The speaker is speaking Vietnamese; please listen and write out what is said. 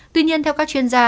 tuy nhiên theo các chuyên gia